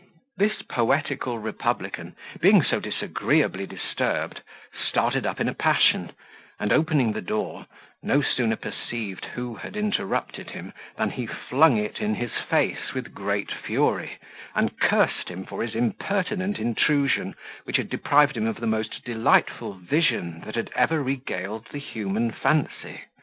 This poetical republican, being so disagreeably disturbed, started up in a passion, and, opening the door, no sooner perceived who had interrupted him, than he flung it in his face with great fury, and cursed him for his impertinent intrusion, which had deprived him of the most delightful vision that ever regaled the human fancy.